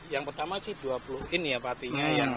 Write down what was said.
yang pertama sih dua puluh ini ya pak hatinya